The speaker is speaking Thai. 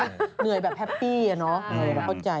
ที่เหนื่อยแบบแฮปปี้อ่ะเนอะเราเข้าใจ